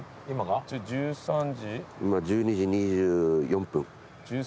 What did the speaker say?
今１２時２４分。